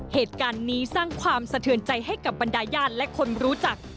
เหตุการณ์นี้สร้างความสะเทือนใจให้กับบรรดาญาติและคนรู้จัก